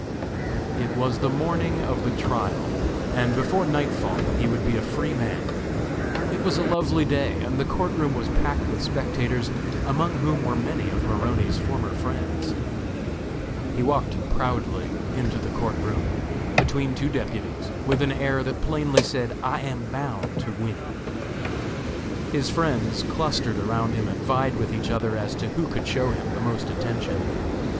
It was the morning of the trial, and before nightfall he would be a free man. It was a lovely day and the court room was packed with spectators, among whom were many of Maroney's former friends. He walked proudly into the court room, between two deputies, with an air that plainly said, "I am bound to win!" His friends clustered around him and vied with each other as to who could show him the most attention.